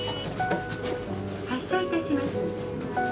「発車いたします」。